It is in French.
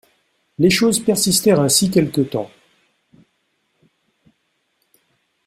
Les choses persistèrent ainsi quelque temps.